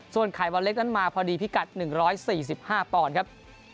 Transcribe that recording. ส่วนไข่วันเล็กนั้นมาพอดีพิกัด๑๔๕ปอนด์ครับ